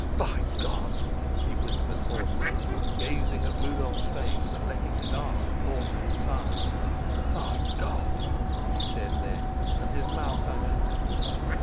"By God!" he whispered hoarsely, gazing at Rudolf's face and letting his arm fall to his side. "My God!" he said then, and his mouth hung open.